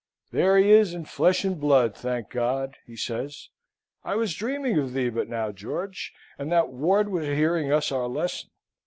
"There he is in flesh and blood, thank God!" he says; "I was dreaming of thee but now, George, and that Ward was hearing us our lesson!